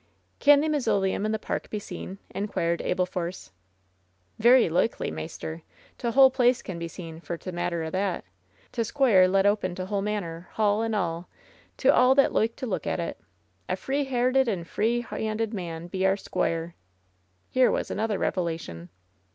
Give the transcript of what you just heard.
"Can the mausoleum in the park be seen ?" inquired Abel Force. "Varry loikely, maister. T' whole place can be seen, for t' matter of that. T' squoire let open t' whole manor, hall and a', to a' that loike to look at it. A free hairted and free handed gentleman be our squoire." Here was another revelation.